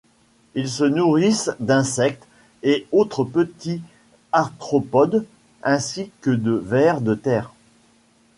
Ils se nourrissent d'insectes et autres petits arthropodes ainsi que de vers de terre.